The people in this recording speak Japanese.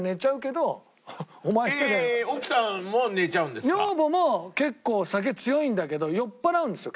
でも勝手に女房も結構酒強いんだけど酔っ払うんですよ